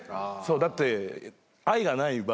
だって。